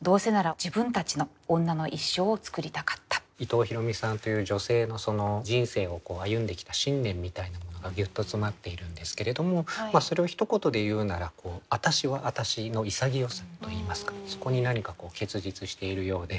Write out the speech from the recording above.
伊藤比呂美さんという女性の人生を歩んできた信念みたいなものがギュッと詰まっているんですけれどもそれをひと言で言うならそこに何か結実しているようで。